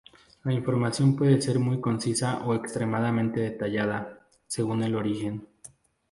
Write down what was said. La información puede ser muy concisa o extremadamente detallada, según el origen.